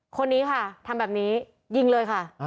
คนนี้ค่ะทำแบบนี้ยิงเลยค่ะ